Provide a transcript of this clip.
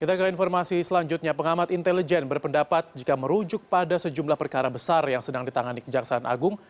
kita ke informasi selanjutnya pengamat intelijen berpendapat jika merujuk pada sejumlah perkara besar yang sedang ditangani kejaksaan agung